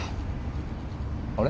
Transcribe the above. あれ？